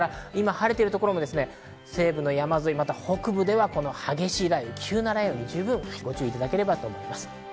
晴れているところも西部の山沿い、北部では激しい雷雨、急な雷雨にご注意いただければと思います。